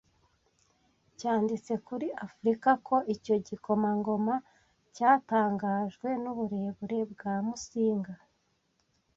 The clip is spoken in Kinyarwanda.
cyanditse kuri Afrika ko icyo gikomangoma cyatangajwe n’uburebure bwa Musinga